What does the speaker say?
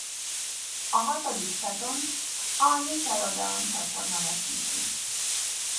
A hatodik szezont a Nickelodeon csatorna vetíti.